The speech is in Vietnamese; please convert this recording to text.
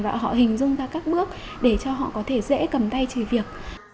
và họ hình dung ra các bước để cho họ có thể dễ cầm tay trừ việc